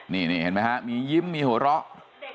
นี่เห็นไหมฮะมียิ้มมีหัวเราะ